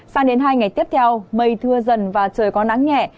sang đến hai ngày tiếp theo mây thưa dần và trời có nắng nhẹ